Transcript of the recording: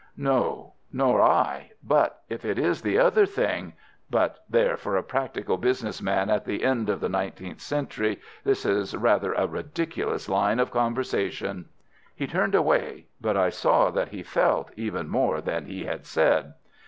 "No, nor I. But if it is the other thing—but there, for a practical business man at the end of the nineteenth century this is rather a ridiculous line of conversation." He turned away, but I saw that he felt even more than he had said.